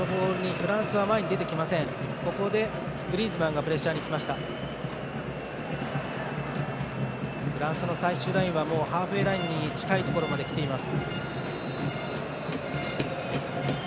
フランスの最終ラインはもうハーフウェーラインに近いところまできています。